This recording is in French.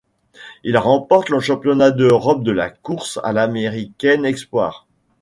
Il remporte le championnat d'Europe de la course à l'américaine espoirs.